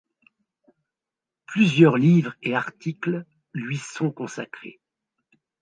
Plusieurs livres et articles lui sont consacrés.